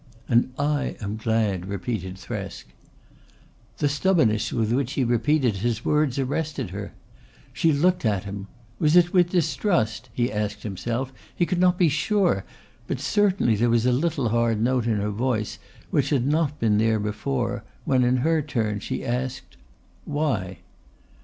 "And I am glad," repeated Thresk. The stubbornness with which he repeated his words arrested her. She looked at him was it with distrust, he asked himself? He could not be sure. But certainly there was a little hard note in her voice which had not been there before, when in her turn she asked: "Why?"